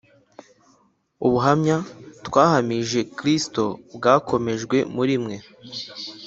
ubuhamya twahamije Kristo bwakomejwe muri mwe;